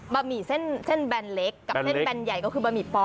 หมี่เส้นแบนเล็กกับเส้นแบนใหญ่ก็คือบะหมี่ปอ